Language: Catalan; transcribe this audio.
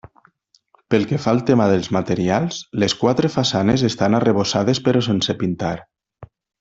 Pel que fa al tema dels materials, les quatre façanes estan arrebossades però sense pintar.